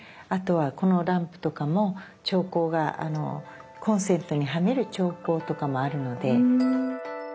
あとはこのランプとかも調光がコンセントにはめる調光とかもあるので。